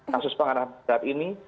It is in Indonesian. kasus pelanggaran ham berat ini